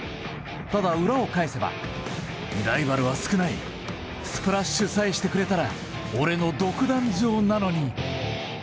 ただ、裏を返せばライバルは少ないスプラッシュさえしてくれれば俺の独壇場なのに。